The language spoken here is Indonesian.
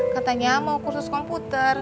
katanya mau kursus komputer